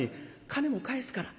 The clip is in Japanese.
金も返すから。